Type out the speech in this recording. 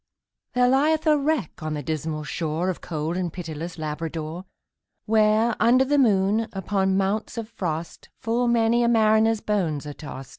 There lieth a wreck on the dismal shore Of cold and pitiless Labrador; Where, under the moon, upon mounts of frost, Full many a mariner's bones are tost.